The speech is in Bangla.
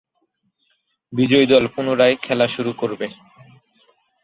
বিজয়ী দল পুনরায় খেলা শুরু করবে।